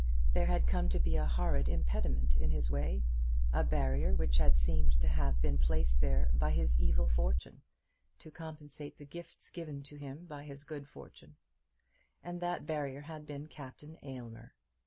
There had come to be a horrid impediment in his way, a barrier which had seemed to have been placed there by his evil fortune, to compensate the gifts given to him by his good fortune, and that barrier had been Captain Aylmer.